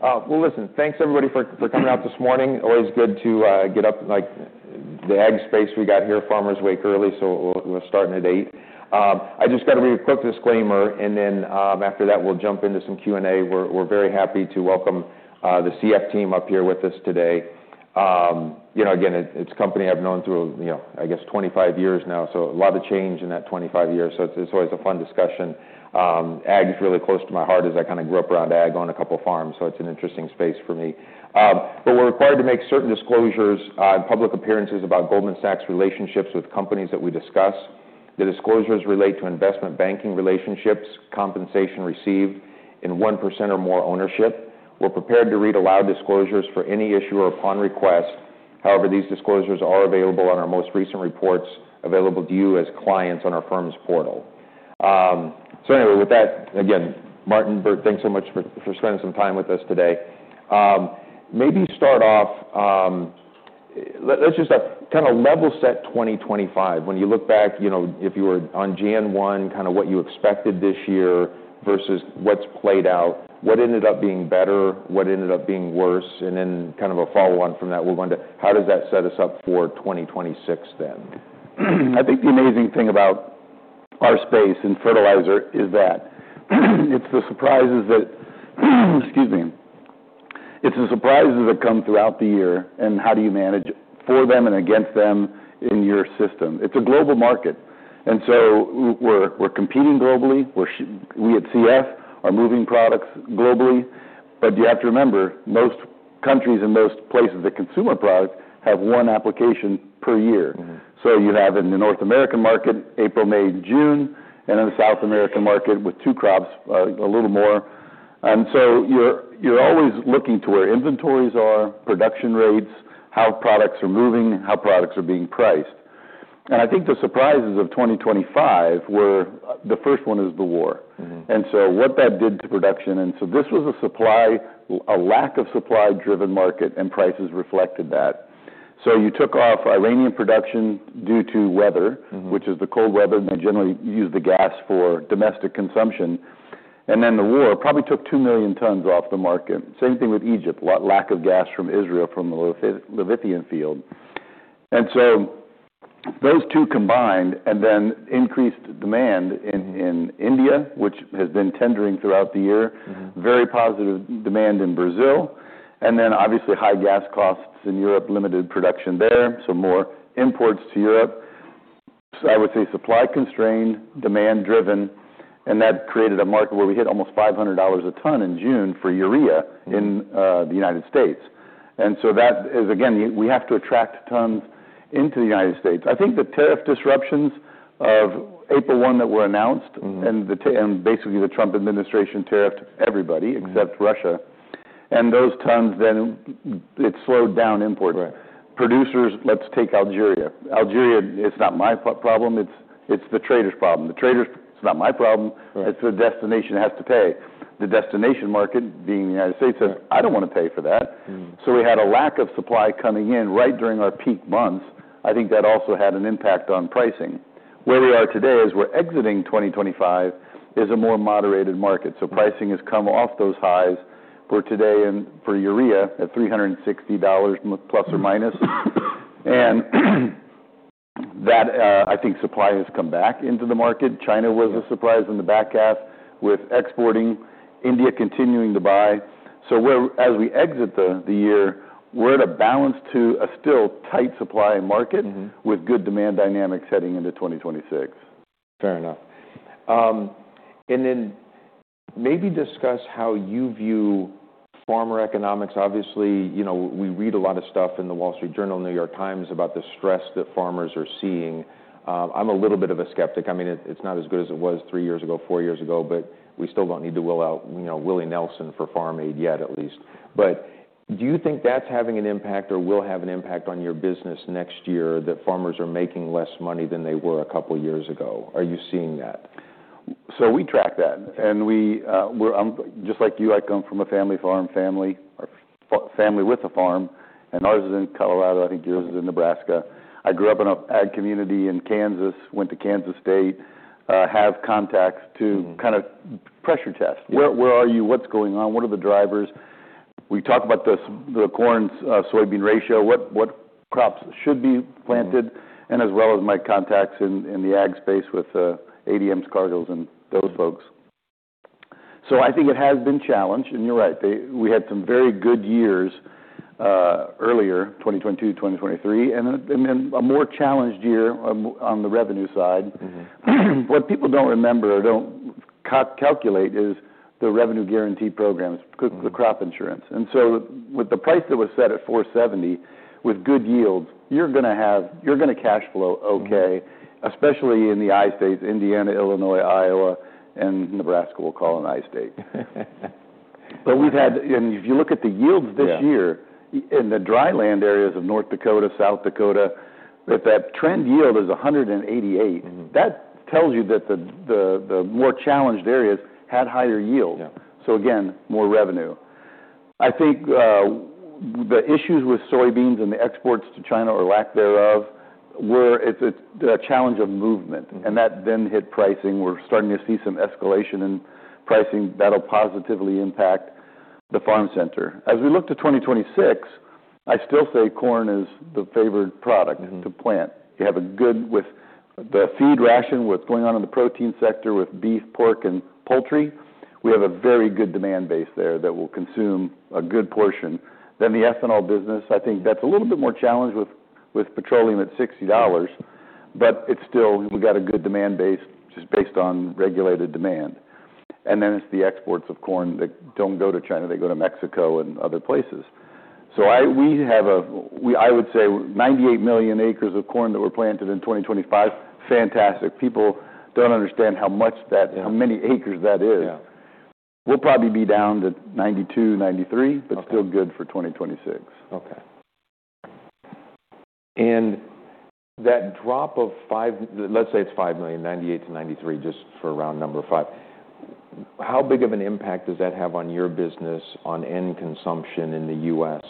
Well, listen, thanks everybody for coming out this morning. Always good to get up, like, the ag space we got here. Farmers wake early, so we'll start at eight. I just got to read a quick disclaimer, and then, after that, we'll jump into some Q&A. We're very happy to welcome the CF team up here with us today. Again, it's a company I've known through, I guess, 25 years now, so a lot of change in that 25 years. So it's always a fun discussion. Ag is really close to my heart as I kind of grew up around ag on a couple of farms, so it's an interesting space for me. But we're required to make certain disclosures in public appearances about Goldman Sachs' relationships with companies that we discuss. The disclosures relate to investment banking relationships, compensation received, and 1% or more ownership. We're prepared to read aloud disclosures for any issue or upon request. However, these disclosures are available on our most recent reports available to you as clients on our firm's portal. So anyway, with that, again, Martin, Bert, thanks so much for spending some time with us today. Maybe start off. Let's just kind of level set 2025. When you look back if you were on Jan. 1, kind of what you expected this year versus what's played out, what ended up being better, what ended up being worse, and then kind of a follow-on from that, we're going to how does that set us up for 2026 then? I think the amazing thing about our space in fertilizer is that it's the surprises that, excuse me, it's the surprises that come throughout the year and how do you manage for them and against them in your system. It's a global market, and so we're competing globally. We're, we at CF are moving products globally, but you have to remember most countries and most places that consume our product have one application per year. So you have in the North American market, April, May, June, and then the South American market with two crops, a little more. And so you're, you're always looking to where inventories are, production rates, how products are moving, how products are being priced. And I think the surprises of 2025 were the first one is the war. And so what that did to production, and so this was a supply, a lack of supply-driven market, and prices reflected that. So you took off Iranian production due to weather which is the cold weather, and they generally use the gas for domestic consumption. And then the war probably took two million tons off the market. Same thing with Egypt, lack of gas from Israel, from the Leviathan field. And so those two combined and then increased demand in India, which has been tendering throughout the year. Very positive demand in Brazil, and then obviously high gas costs in Europe, limited production there, so more imports to Europe, so I would say supply constrained, demand-driven, and that created a market where we hit almost $500 a ton in June for urea in the United States, and so that is, again we have to attract tons into the United States. I think the tariff disruptions of April 1 that were announced. Basically, the Trump administration tariffed everybody except Russia. Those tons then it slowed down imports producers, let's take Algeria. Algeria, it's not my problem. It's the trader's problem. The trader's. It's not my problem. It's the destination has to pay. The destination market, being the United States, said, "I don't wanna pay for that. So we had a lack of supply coming in right during our peak months. I think that also had an impact on pricing. Where we are today is we're entering 2025 in a more moderated market, so pricing has come off those highs for ammonia and for urea at $±360. And that, I think supply has come back into the market. China was a surprise in the back half with exporting. India continuing to buy. So as we exit the year, we're at a balance to a still tight supply market with good demand dynamics heading into 2026. Fair enough. And then maybe discuss how you view farmer economics. Obviously, we read a lot of stuff in the Wall Street Journal, New York Times about the stress that farmers are seeing. I'm a little bit of a skeptic. I mean, it's not as good as it was three years ago, four years ago, but we still don't need to call out, Willie Nelson for Farm Aid yet at least. But do you think that's having an impact or will have an impact on your business next year that farmers are making less money than they were a couple of years ago? Are you seeing that? We track that, and we're just like you. I come from a family farm or family with a farm, and ours is in Colorado. I think yours is in Nebraska. I grew up in an ag community in Kansas, went to Kansas State, have contacts to kind of pressure test. Where are you? What's going on? What are the drivers? We talk about the corn-soybean ratio. What crops should be planted? And as well as my contacts in the ag space with ADM's, Cargill's, and those folks. I think it has been challenged, and you're right. We had some very good years earlier, 2022, 2023, and then a more challenged year on the revenue side. What people don't remember or don't calculate is the revenue guarantee programs, see the crop insurance. And so with the price that was set at $4.70 with good yields, you're gonna have cash flow okay, especially in the I states: Indiana, Illinois, Iowa, and Nebraska we'll call an I state. But we've had, and if you look at the yields this year in the dry land areas of North Dakota, South Dakota, that trend yield is 188 that tells you that the more challenged areas had higher yield. So again, more revenue. I think, the issues with soybeans and the exports to China or lack thereof were, it's the challenge of movement that then hit pricing. We're starting to see some escalation in pricing. That'll positively impact the farm sector. As we look to 2026, I still say corn is the favored product to plant. You have a good with the feed ration, what's going on in the protein sector with beef, pork, and poultry. We have a very good demand base there that will consume a good portion. Then the ethanol business, I think that's a little bit more challenged with petroleum at $60, but it's still we got a good demand base just based on regulated demand. And then it's the exports of corn that don't go to China they go to Mexico and other places. So I would say we have 98 million acres of corn that were planted in 2025. Fantastic. People don't understand how much that how many acres that is. We'll probably be down to 92-93 but still good for 2026. Okay. And that drop of 5, let's say it's 5 million, 98 to 93, just for round number five, how big of an impact does that have on your business on end consumption in the US?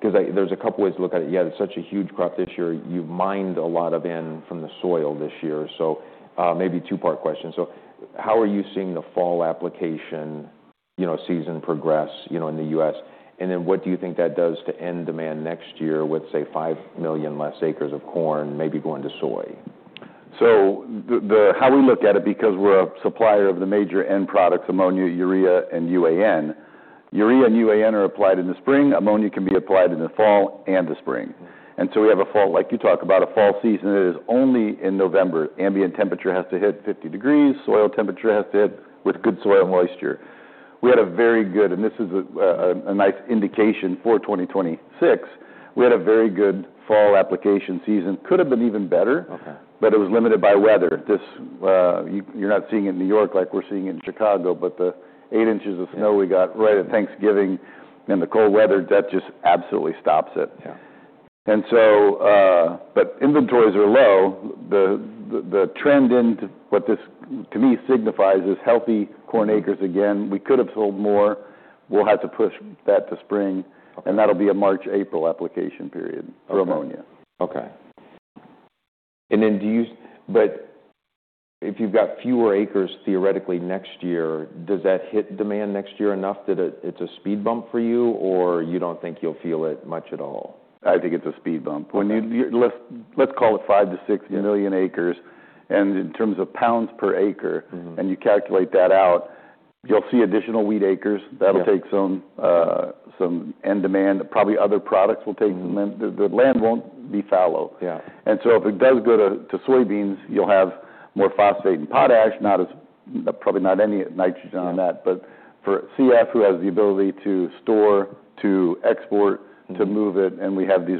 Because there's a couple of ways to look at it. Yeah, it's such a huge crop this year. You mined a lot of N from the soil this year, so, maybe two-part question. So how are you seeing the fall application, season progress in the US? And then what do you think that does to N demand next year with, say, 5 million less acres of corn maybe going to soy? How we look at it, because we're a supplier of the major end products, ammonia, urea, and UAN. Urea and UAN are applied in the spring. Ammonia can be applied in the fall and the spring and so we have a fall, like you talk about, a fall season that is only in November. Ambient temperature has to hit 50 degrees Fahrenheit. Soil temperature has to hit with good soil moisture. We had a very good fall application season, and this is a nice indication for 2026. It could have been even better but it was limited by weather. This, you're not seeing it in New York like we're seeing it in Chicago, but the eight inches of snow we got right at Thanksgiving and the cold weather, that just absolutely stops it. Inventories are low. The trend into what this, to me, signifies is healthy corn acres again. We could have sold more. We'll have to push that to spring that'll be a March, April application period for ammonia. Okay. And then do you see, but if you've got fewer acres theoretically next year, does that hit demand next year enough that it's a speed bump for you or you don't think you'll feel it much at all? I think it's a speed bump. When you, let's call it 5 million-6 million acres. And in terms of pounds per acre, you calculate that out, you'll see additional wheat acres. Yeah. That'll take some N demand. Probably other products will take the land won't be fallow. Yeah. And so if it does go to soybeans, you'll have more phosphate and potash, not as probably not any nitrogen on that but for CF, who has the ability to store, to export to move it, and we have these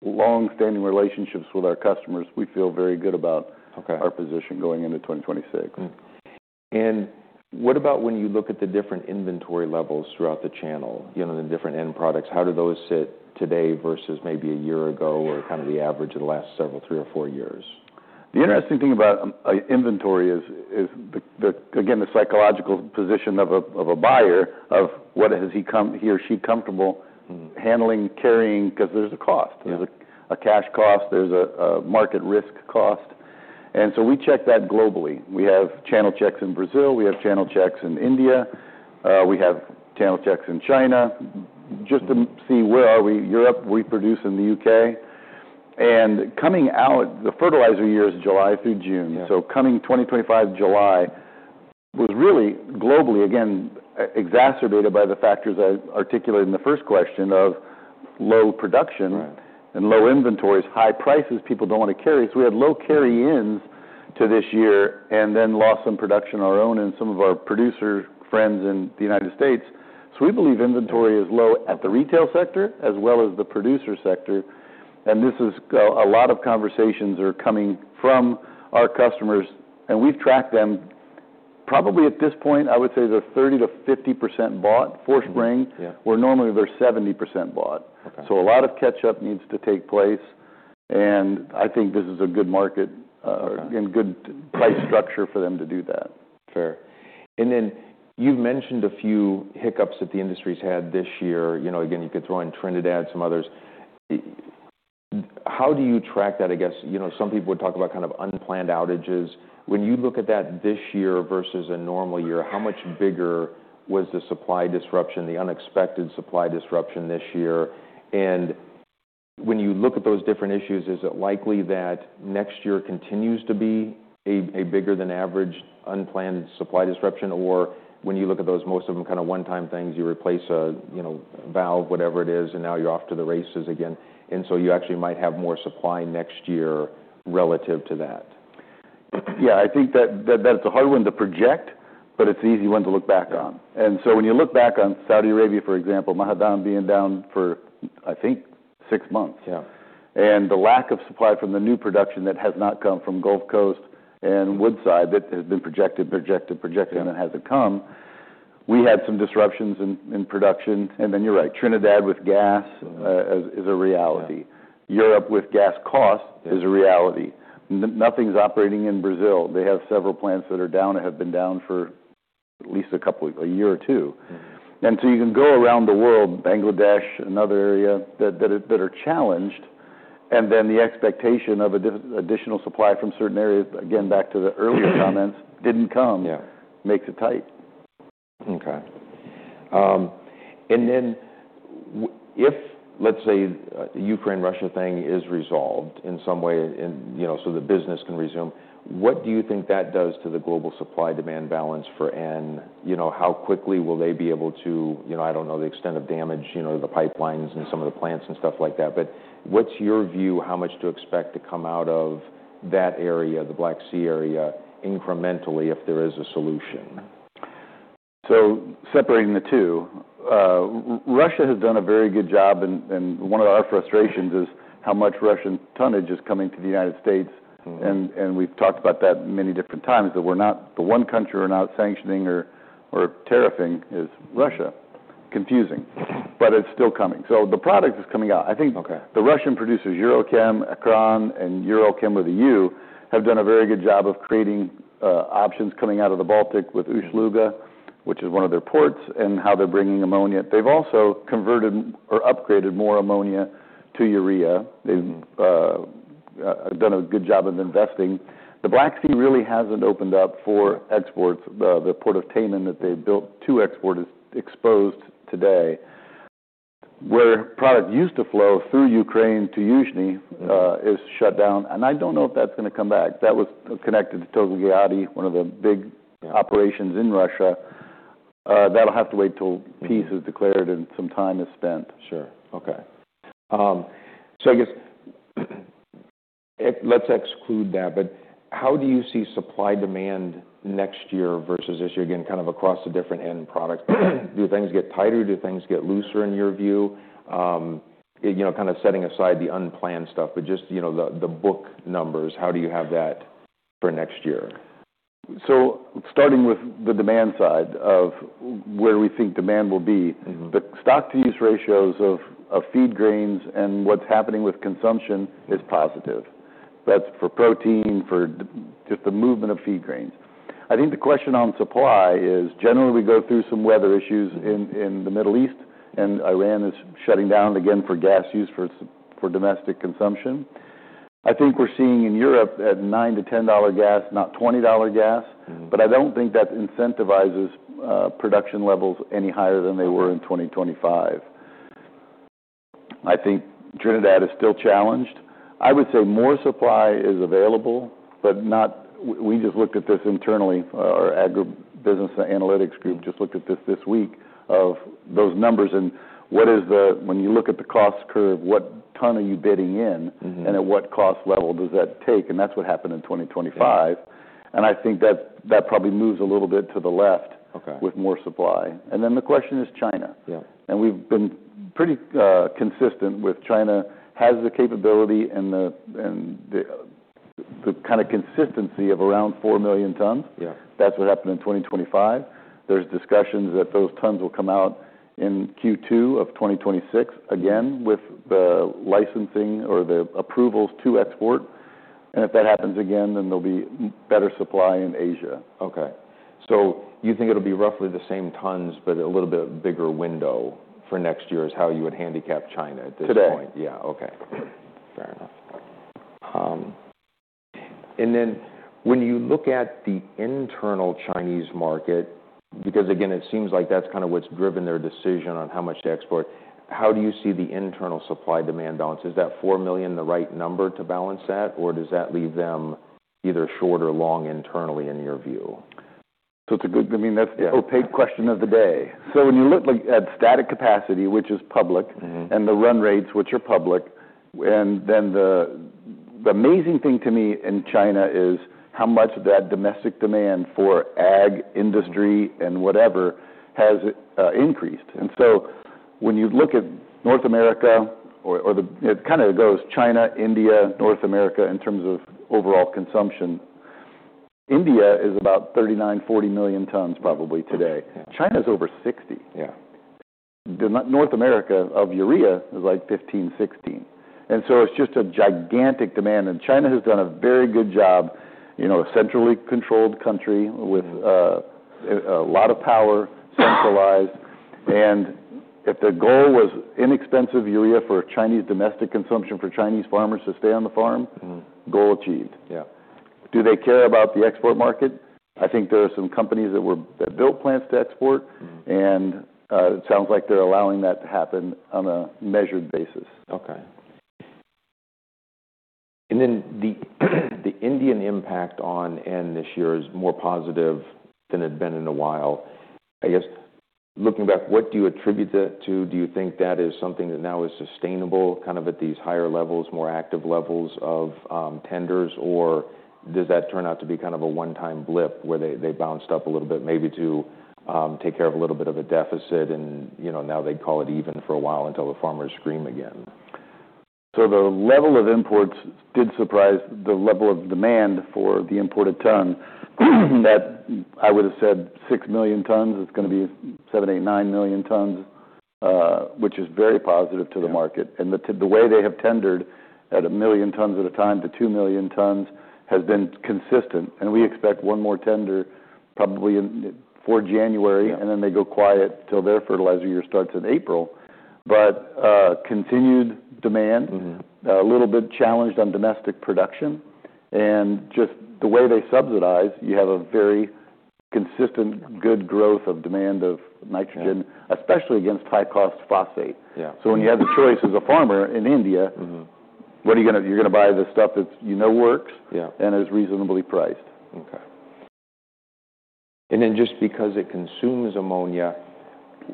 long-standing relationships with our customers, we feel very good about. Okay. Our position going into 2026. Mm-hmm, and what about when you look at the different inventory levels throughout the channel, the different end products? How do those sit today versus maybe a year ago or kind of the average of the last several, three or four years? The interesting thing about inventory is, again, the psychological position of a buyer of what has he or she become comfortable handling, carrying, because there's a cost, there's a cash cost. There's a market risk cost. And so we check that globally. We have channel checks in Brazil. We have channel checks in India. We have channel checks in China just to see where are we? Europe, we produce in the UK. And coming out, the fertilizer year is July through June. Yeah. So, coming 2025, July was really globally, again, exacerbated by the factors I articulated in the first question of low production. Right. And low inventories, high prices. People don't wanna carry. So we had low carry-ins to this year and then lost some production of our own and some of our producer friends in the United States. So we believe inventory is low at the retail sector as well as the producer sector. And this is. A lot of conversations are coming from our customers, and we've tracked them. Probably at this point, I would say they're 30%-50% bought for spring. Yeah. Where normally they're 70% bought. So a lot of catch-up needs to take place, and I think this is a good market, and good price structure for them to do that. Fair. And then you've mentioned a few hiccups that the industry's had this year. Again, you could throw in Trinidad, some others. How do you track that? I guess, some people would talk about kind of unplanned outages. When you look at that this year versus a normal year, how much bigger was the supply disruption, the unexpected supply disruption this year? And when you look at those different issues, is it likely that next year continues to be a bigger-than-average unplanned supply disruption? Or when you look at those, most of them kind of one-time things, you replace a valve, whatever it is, and now you're off to the races again. And so you actually might have more supply next year relative to that. Yeah. I think that that's a hard one to project, but it's an easy one to look back on. When you look back on Saudi Arabia, for example, Ma'aden being down for, I think, six months. Yeah. The lack of supply from the new production that has not come from Gulf Coast and Woodside that has been projected and then hasn't come. We had some disruptions in production. And then you're right. Trinidad with gas is a reality. Europe with gas cost is a reality. Nothing's operating in Brazil. They have several plants that are down that have been down for at least a couple of a year or two. And so you can go around the world, Bangladesh, another area that are challenged, and then the expectation of a different additional supply from certain areas, again, back to the earlier comments, didn't come. Yeah. Makes it tight. Okay. And then what if, let's say, the Ukraine-Russia thing is resolved in some way and the business can resume, what do you think that does to the global supply-demand balance for N? How quickly will they be able to, I don't know the extent of damage to the pipelines and some of the plants and stuff like that, but what's your view how much to expect to come out of that area, the Black Sea area, incrementally if there is a solution? Separating the two, Russia has done a very good job, and one of our frustrations is how much Russian tonnage is coming to the United States. We've talked about that many different times that the one country we're not sanctioning or tariffing is Russia. Confusing, but it's still coming. The product is coming out. I think. Okay. The Russian producers, Uralchem, Acron, and Uralchem with a U, have done a very good job of creating options coming out of the Baltic with Ust-Luga, which is one of their ports, and how they're bringing ammonia. They've also converted or upgraded more ammonia to urea. They've done a good job of investing. The Black Sea really hasn't opened up for exports. The port of Taman that they built to export is exposed today, where product used to flow through Ukraine to Yuzhny, is shut down. And I don't know if that's gonna come back. That was connected to TogliattiAzot, one of the big operations in Russia. That'll have to wait till peace is declared and some time is spent. Sure. Okay. So I guess, let's exclude that, but how do you see supply-demand next year versus this year? Again, kind of across the different end products. Do things get tighter? Do things get looser in your view? Kind of setting aside the unplanned stuff, but just the book numbers, how do you have that for next year? Starting with the demand side of where we think demand will be the stock-to-use ratios of feed grains and what's happening with consumption is positive. That's for protein, for just the movement of feed grains. I think the question on supply is generally we go through some weather issues in the Middle East, and Iran is shutting down again for gas use for domestic consumption. I think we're seeing in Europe at $9-$10 gas, not $20 gas. But I don't think that incentivizes production levels any higher than they were in 2025. I think Trinidad is still challenged. I would say more supply is available, but not. We just looked at this internally. Our agro business analytics group just looked at this this week of those numbers and what is the when you look at the cost curve, what ton are you bidding in? And at what cost level does that take? And that's what happened in 2025. And I think that probably moves a little bit to the left. Okay. With more supply, and then the question is China. Yeah. We've been pretty consistent with China has the capability and the kind of consistency of around 4 million tons. Yeah. That's what happened in 2025. There's discussions that those tons will come out in Q2 of 2026 again with the licensing or the approvals to export. And if that happens again, then there'll be better supply in Asia. Okay. So you think it'll be roughly the same tons, but a little bit bigger window for next year is how you would handicap China at this point? Today. Yeah. Okay. Fair enough. And then when you look at the internal Chinese market, because again, it seems like that's kind of what's driven their decision on how much to export, how do you see the internal supply-demand balance? Is that 4 million the right number to balance that, or does that leave them either short or long internally in your view? So it's a good. I mean, that's opaque question of the day. So when you look like at static capacity, which is public the run rates, which are public, and then the amazing thing to me in China is how much that domestic demand for ag industry and whatever has increased. When you look at North America or the, it kind of goes China, India, North America in terms of overall consumption. India is about 39 million-40 million tons probably today China's over 60. Yeah. The North America of urea is like 15-16. And so it's just a gigantic demand. And China has done a very good job, a centrally controlled country with a lot of power centralized. And if the goal was inexpensive urea for Chinese domestic consumption for Chinese farmers to stay on the farm goal achieved. Yeah. Do they care about the export market? I think there are some companies that were built plants to export. It sounds like they're allowing that to happen on a measured basis. Okay. And then the Indian impact on N this year is more positive than it had been in a while. I guess, looking back, what do you attribute that to? Do you think that is something that now is sustainable kind of at these higher levels, more active levels of tenders, or does that turn out to be kind of a one-time blip where they bounced up a little bit maybe to take care of a little bit of a deficit and now they call it even for a while until the farmers scream again? The level of imports did surprise the level of demand for the imported ton. That, I would have said, 6 million tons is gonna be 7, 8, 9 million tons, which is very positive to the market, the way they have tendered 1 million tons at a time to 2 million tons has been consistent. And we expect one more tender probably for January. Yeah. And then they go quiet till their fertilizer year starts in April. But continued demand, a little bit challenged on domestic production. And just the way they subsidize, you have a very consistent good growth of demand of nitrogen, especially against high-cost phosphate. Yeah. So when you have the choice as a farmer in India. What are you gonna? You're gonna buy the stuff that works. Yeah. is reasonably priced. Okay. And then just because it consumes ammonia,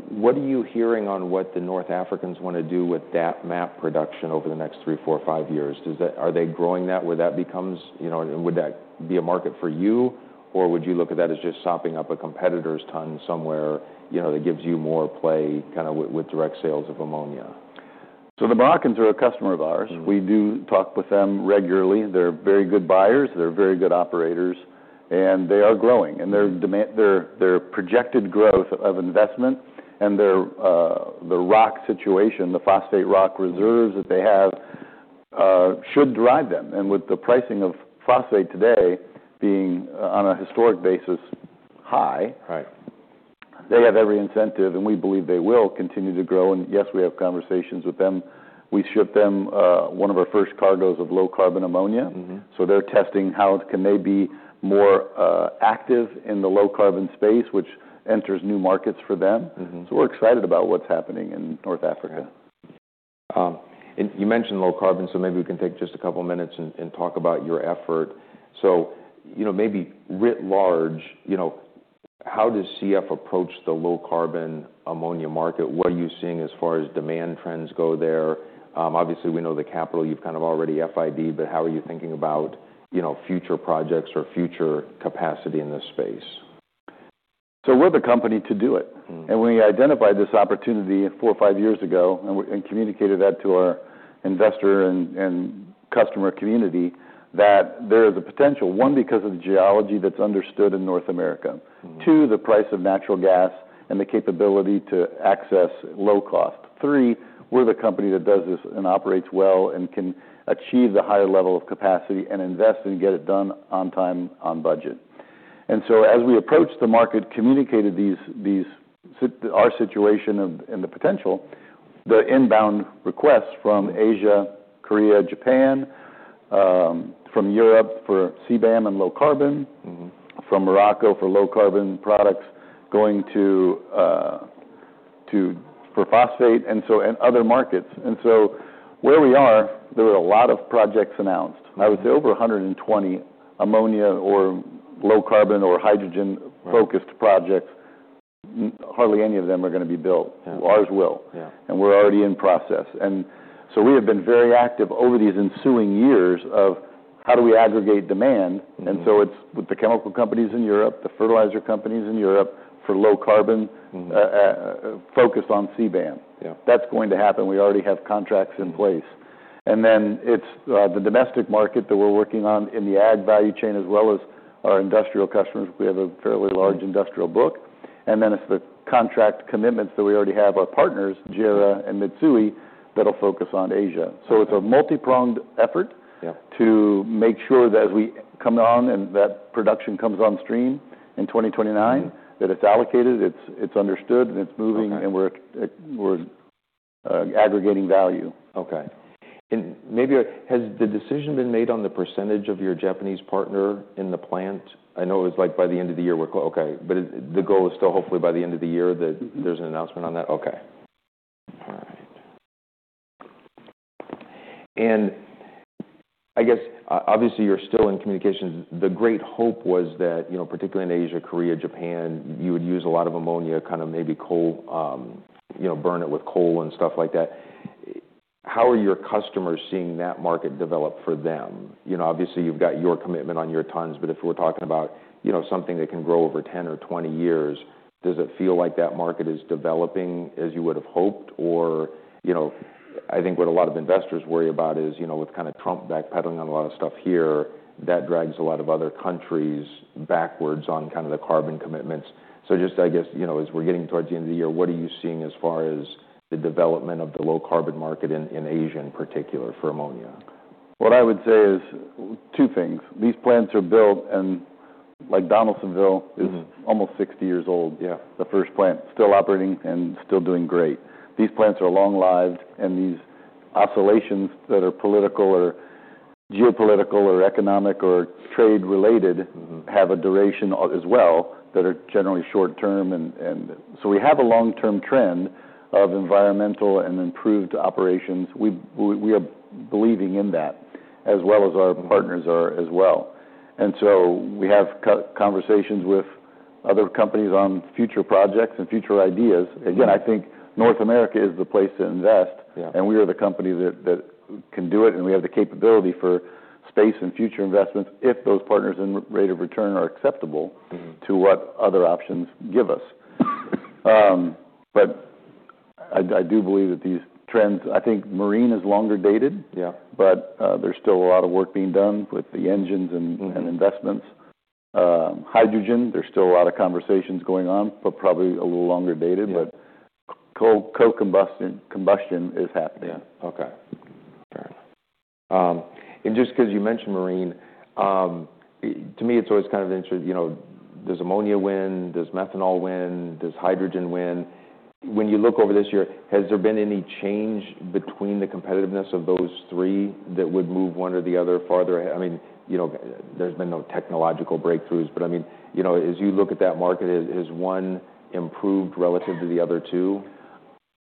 what are you hearing on what the North Africans wanna do with that MAP production over the next three, four, five years? Are they growing that where that becomes would that be a market for you, or would you look at that as just sopping up a competitor's ton somewhere that gives you more play kind of with direct sales of ammonia? The Moroccans are a customer of ours, we do talk with them regularly. They're very good buyers. They're very good operators. And they are growing. And their demand, their projected growth of investment and the rock situation, the phosphate rock reserves that they have, should drive them. And with the pricing of phosphate today being, on a historic basis high. Right. They have every incentive, and we believe they will continue to grow. And yes, we have conversations with them. We ship them, one of our first cargos of low-carbon ammonia, they're testing how they can be more active in the low-carbon space, which enters new markets for them. So we're excited about what's happening in North Africa. And you mentioned low-carbon, so maybe we can take just a couple of minutes and talk about your effort. So, maybe writ large, how does CF approach the low-carbon ammonia market? What are you seeing as far as demand trends go there? Obviously, we know the capital. You've kind of already FID, but how are you thinking about, future projects or future capacity in this space? We're the company to do it. We identified this opportunity four or five years ago and we communicated that to our investor and customer community that there is a potential. One, because of the geology that's understood in North America. Two, the price of natural gas and the capability to access low cost. Three, we're the company that does this and operates well and can achieve the higher level of capacity and invest and get it done on time, on budget. And so as we approached the market, communicated these as our situation and the potential, the inbound requests from Asia, Korea, Japan, from Europe for CBAM and low carbon, from Morocco for low-carbon products going to for phosphate and so and other markets, so where we are, there were a lot of projects announced. I would say over 120 ammonia or low-carbon or hydrogen focused projects. Hardly any of them are gonna be built. Yeah. Ours will. Yeah. And we're already in process. And so we have been very active over these ensuing years of how do we aggregate demand. It's with the chemical companies in Europe, the fertilizer companies in Europe for low carbon focused on CBAM. Yeah. That's going to happen. We already have contracts in place and then it's the domestic market that we're working on in the ag value chain as well as our industrial customers. We have a fairly large industrial book. And then it's the contract commitments that we already have our partners, JERA and Mitsui, that'll focus on Asia. So it's a multi-pronged effort. Yeah. To make sure that as we come on and that production comes on stream in 2029that it's allocated, it's understood, and it's moving Wwe're aggregating value. Okay, and maybe has the decision been made on the percentage of your Japanese partner in the plant? I know it was like by the end of the year. We're okay, but is the goal is still hopefully by the end of the year that there's an announcement on that? Okay. And I guess, obviously, you're still in communications. The great hope was that, particularly in Asia, Korea, Japan, you would use a lot of ammonia, kind of maybe coal, burn it with coal and stuff like that. How are your customers seeing that market develop for them? Obviously, you've got your commitment on your tons, but if we're talking about something that can grow over 10 or 20 years, does it feel like that market is developing as you would have hoped? Or I think what a lot of investors worry about is with kind of Trump backpedaling on a lot of stuff here, that drags a lot of other countries backwards on kind of the carbon commitments. So just, I guess as we're getting towards the end of the year, what are you seeing as far as the development of the low-carbon market in Asia in particular for ammonia? What I would say is two things. These plants are built and, like Donaldsonville. Mm-hmm. Is almost 60 years old. Yeah. The first plant still operating and still doing great. These plants are long-lived, and these oscillations that are political or geopolitical or economic or trade-related, have a duration of as well that are generally short-term and so we have a long-term trend of environmental and improved operations. We are believing in that as well as our partners are as well. And so we have conversations with other companies on future projects and future ideas. Again, I think North America is the place to invest. Yeah. We are the company that can do it, and we have the capability for space and future investments if those partners and rate of return are acceptable to what other options give us, but I, I do believe that these trends. I think marine is longer dated. Yeah. But, there's still a lot of work being done with the engines and investments. Hydrogen, there's still a lot of conversations going on, but probably a little longer dated but co-combustion is happening. Yeah. Okay. Fair enough. And just 'cause you mentioned marine, it to me, it's always kind of interesting, does ammonia win? Does methanol win? Does hydrogen win? When you look over this year, has there been any change between the competitiveness of those three that would move one or the other farther ahead? I mean, there's been no technological breakthroughs, but I mean, as you look at that market, has one improved relative to the other two?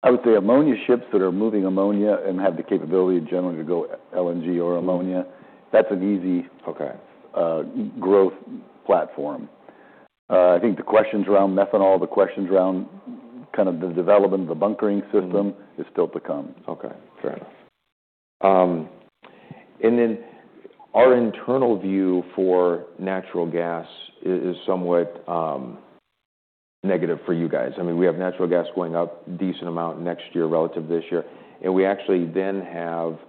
I would say ammonia ships that are moving ammonia and have the capability generally to go LNG or ammonia that's an easy. Okay. growth platform. I think the questions around methanol, the questions around kind of the development of the bunkering system is still to come. Okay. Fair enough. And then our internal view for natural gas is somewhat negative for you guys. I mean, we have natural gas going up a decent amount next year relative to this year. And we actually then have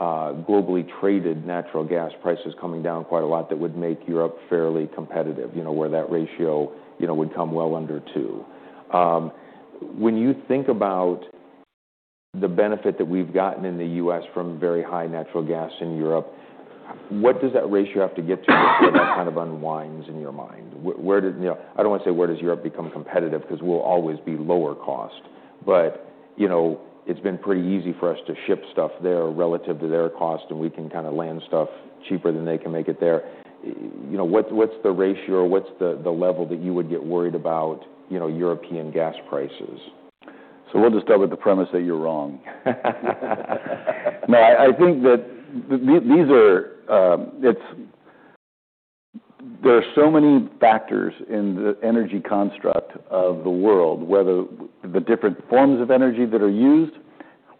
globally traded natural gas prices coming down quite a lot that would make Europe fairly competitive where that ratio would come well under two. When you think about the benefit that we've gotten in the U.S. from very high natural gas in Europe, what does that ratio have to get to before that kind of unwinds in your mind? Where do, I don't wanna say where does Europe become competitive 'cause we'll always be lower cost, but it's been pretty easy for us to ship stuff there relative to their cost, and we can kind of land stuff cheaper than they can make it there. What's the ratio or what's the level that you would get worried about European gas prices? So we'll just start with the premise that you're wrong. No, I think that these are, it's there are so many factors in the energy construct of the world, whether the different forms of energy that are used,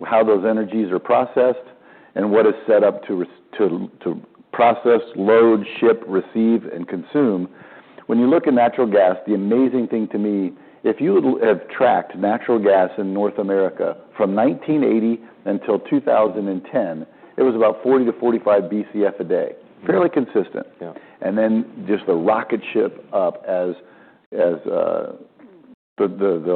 how those energies are processed, and what is set up to process, load, ship, receive, and consume. When you look at natural gas, the amazing thing to me, if you have tracked natural gas in North America from 1980 until 2010, it was about 40 BCF-45 BCF a day. Fairly consistent. Yeah. And then just the rocket ship up as the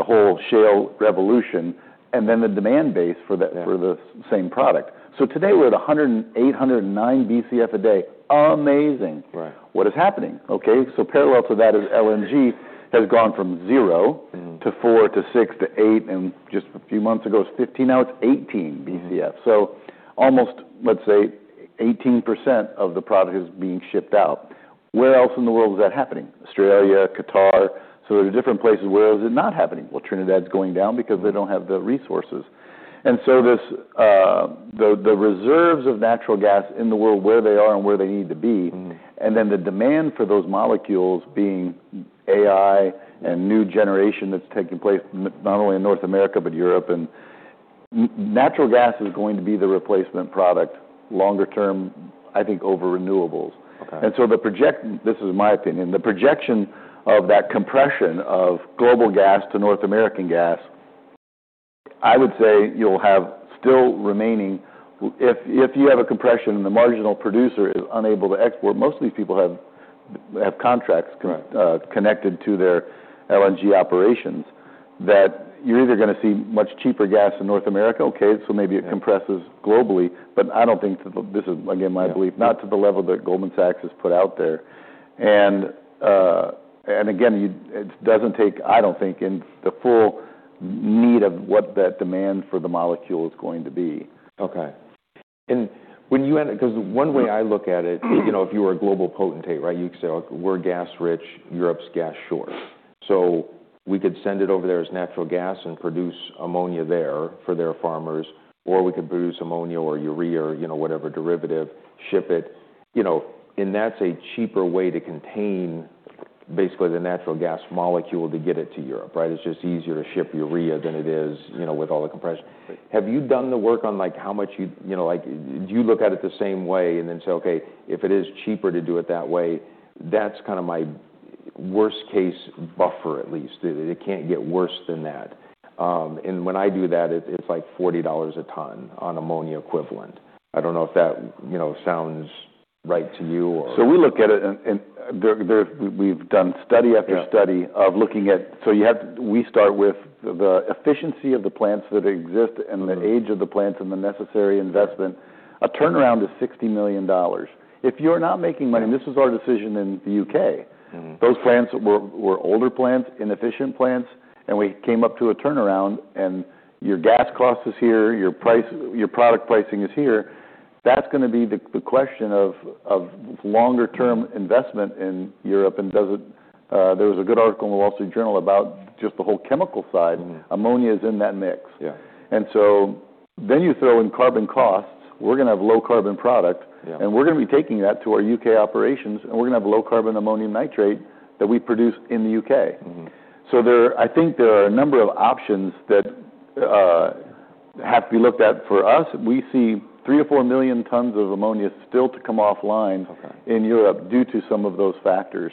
whole shale revolution and then the demand base for that, for the same product. So today, we're at 108-109 BCF a day. Amazing. Right. What is happening? Okay. So parallel to that is LNG has gone from zero, to four to six to eight, and just a few months ago, it's 15. Now it's 18 BCF. So almost, let's say, 18% of the product is being shipped out. Where else in the world is that happening? Australia, Qatar. So there are different places. Where is it not happening? Well, Trinidad's going down because they don't have the resources. And so this, the reserves of natural gas in the world where they are and where they need to be. And then the demand for those molecules being AI and new generation that's taking place not only in North America but Europe. And natural gas is going to be the replacement product longer term, I think, over renewables. Okay. And so the project. This is my opinion. The projection of that compression of global gas to North American gas, I would say you'll have still remaining, if you have a compression and the marginal producer is unable to export. Most of these people have contracts. Correct. connected to their LNG operations, that you're either gonna see much cheaper gas in North America. Okay. So maybe it compresses globally, but I don't think that this is, again, my belief not to the level that Goldman Sachs has put out there. And again, it doesn't take, I don't think, in the full need of what that demand for the molecule is going to be. Okay. And when you, 'cause one way I look at it, if you were a global potentate, right, you could say, "Look, we're gas rich. Europe's gas short. So we could send it over there as natural gas and produce ammonia there for their farmers, or we could produce ammonia or urea or whatever derivative, ship it." And that's a cheaper way to contain basically the natural gas molecule to get it to Europe, right? It's just easier to ship urea than it is, with all the compression. Have you done the work on, like, how much like, do you look at it the same way and then say, "Okay. If it is cheaper to do it that way, that's kind of my worst-case buffer at least. It can't get worse than that," and when I do that, it's like $40 a ton on ammonia equivalent. I don't know if that sounds right to you or. So we look at it, and there we've done study after study of looking at so you have to we start with the efficiency of the plants that exist and the age of the plants and the necessary investment. A turnaround is $60 million if you're not making money, this was our decision in the U.K. Those plants were older plants, inefficient plants, and we came up to a turnaround, and your gas cost is here. Your product pricing is here. That's gonna be the question of longer-term investment in Europe. There was a good article in the Wall Street Journal about just the whole chemical side Ammonia is in that mix. Yeah. And so then you throw in carbon costs. We're gonna have low-carbon product. Yeah. We're gonna be taking that to our U.K. operations, and we're gonna have low-carbon ammonium nitrate that we produce in the U.K. Mm-hmm. There, I think there are a number of options that have to be looked at. For us, we see 3 million-4 million tons of ammonia still to come offline. Okay. In Europe due to some of those factors,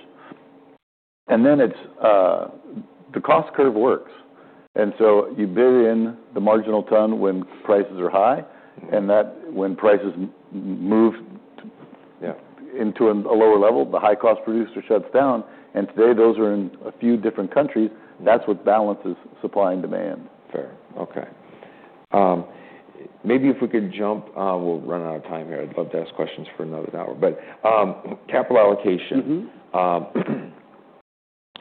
and then it's, the cost curve works, and so you bid in the marginal ton when prices are high and that when prices move to. Yeah. Into a lower level, the high-cost producer shuts down, and today, those are in a few different countries that's what balances supply and demand. Fair. Okay. Maybe if we could jump, we'll run out of time here. I'd love to ask questions for another hour, but capital allocation.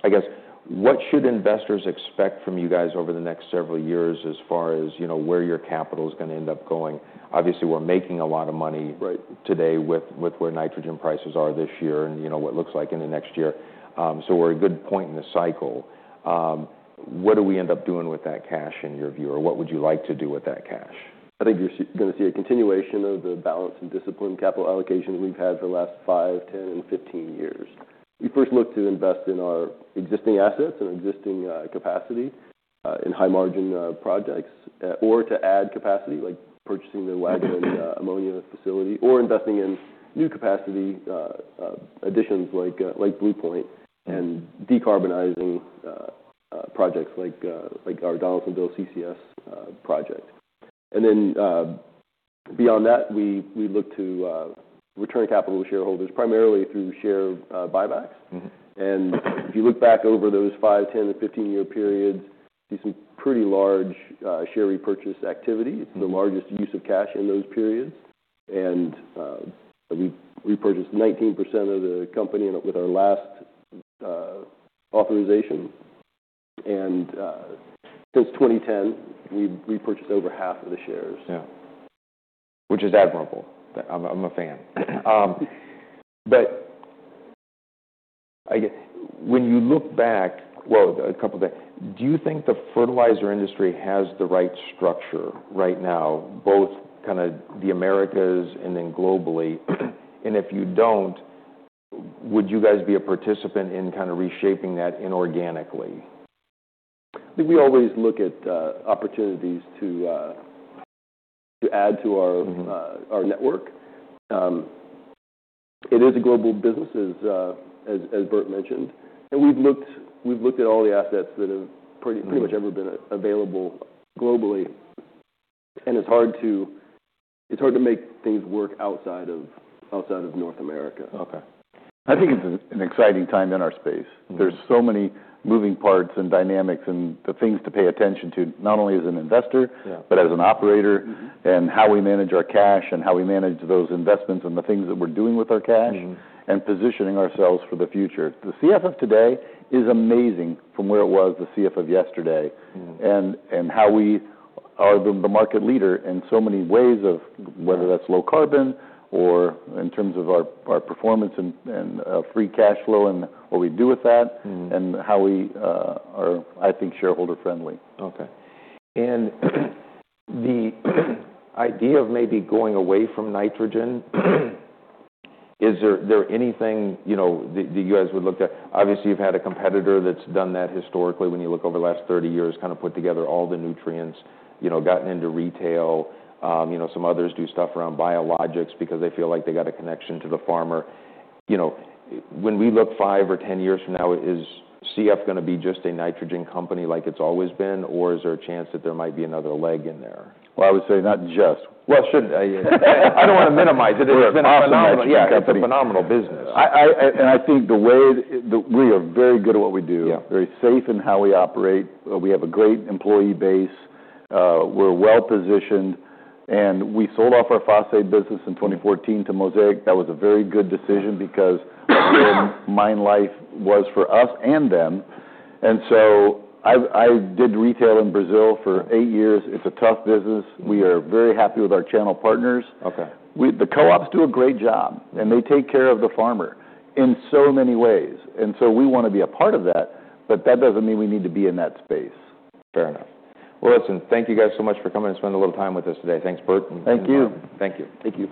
I guess, what should investors expect from you guys over the next several years as far as where your capital's gonna end up going? Obviously, we're making a lot of money. Right. Today with where nitrogen prices are this year and what it looks like in the next year, so we're a good point in the cycle. What do we end up doing with that cash in your view, or what would you like to do with that cash? I think you're gonna see a continuation of the balance and discipline capital allocation we've had for the last five, 10, and 15 years. We first looked to invest in our existing assets and existing capacity in high-margin projects or to add capacity like purchasing the Waggaman ammonia facility or investing in new capacity additions like Blue Ammonia Decarbonizing projects like our Donaldsonville CCS project. Then, beyond that, we look to return capital to shareholders primarily through share buybacks. If you look back over those five, 10, and 15-year periods, you see some pretty large share repurchase activity. It's the largest use of cash in those periods. And we repurchased 19% of the company with our last authorization. And since 2010, we've repurchased over half of the shares. Yeah. Which is admirable. I'm a fan. But I guess when you look back, well, a couple of things. Do you think the fertilizer industry has the right structure right now, both kind of the Americas and then globally? And if you don't, would you guys be a participant in kind of reshaping that inorganically? I think we always look at opportunities to add to our network. It is a global business, as Bert mentioned, and we've looked at all the assets that have pretty much never been available globally. It's hard to make things work outside of North America. Okay. I think it's an exciting time in our space. There's so many moving parts and dynamics and the things to pay attention to not only as an investor. Yeah. But as an operator, how we manage our cash and how we manage those investments and the things that we're doing with our cash and positioning ourselves for the future. The CF of today is amazing from where it was the CF of yesterday. And how we are the market leader in so many ways of whether that's low carbon or in terms of our performance and free cash flow and what we do with that. And how we are, I think, shareholder-friendly. Okay. And the idea of maybe going away from nitrogen, is there anything that you guys would look at? Obviously, you've had a competitor that's done that historically when you look over the last 30 years, kind of put together all the nutrients gotten into retail. Some others do stuff around biologics because they feel like they got a connection to the farmer. When we look 5 or 10 years from now, is CF gonna be just a nitrogen company like it's always been, or is there a chance that there might be another leg in there? Well, I would say not just. Well, shouldn't I? I don't wanna minimize it. It's a phenomenal company. Yeah. It's a phenomenal business. I think the way we are very good at what we do. Yeah. Very safe in how we operate. We have a great employee base. We're well-positioned and we sold off our phosphate business in 2014 to Mosaic. That was a very good decision because then mine life was for us and them, and so I, I did retail in Brazil for eight years. It's a tough business. We are very happy with our channel partners. Okay. We the co-ops do a great job, and they take care of the farmer in so many ways. And so we wanna be a part of that, but that doesn't mean we need to be in that space. Fair enough. Listen, thank you guys so much for coming and spending a little time with us today. Thanks, Bert. Thank you. Thank you.